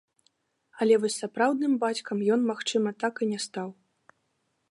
Але вось сапраўдным бацькам ён, магчыма, так і не стаў.